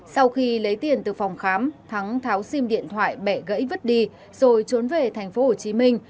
sau khi lấy tiền từ phòng khám thắng tháo sim điện thoại bẹ gãy vứt đi rồi trốn về thành phố hồ chí minh